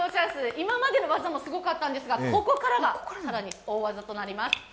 今までの技もすごかったんですがここからが更に大技となります。